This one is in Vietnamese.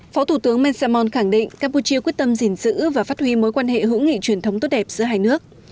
phó thủ tướng men sam on khẳng định campuchia quyết tâm giỉn giữ và phát huy mối quan hệ hữu nghị truyền thống tốt đẹp giữa hai nước